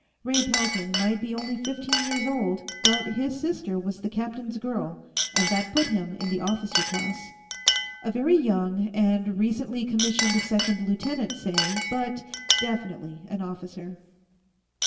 Ray Pelton might be only fifteen years old, but his sister was the captain's girl, and that put him in the officer class. A very young and recently commissioned second lieutenant, say, but definitely an officer.